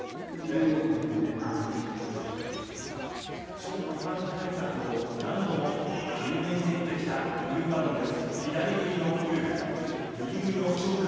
チョ・グハム対策を何度も入念に練ってきたウルフ・アロンです。